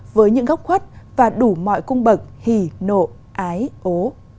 với những góc khuất và đủ mọi cung bậc hì nộ ái ố